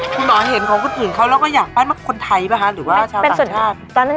คุณอ๋อเห็นของคนอื่นเขาแล้วก็อยากปั้นมาคนไทยป่ะฮะหรือว่าชาวต่างชาติ